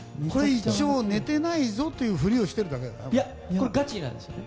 一応、寝てないぞっていうふりをしてるだけだよね。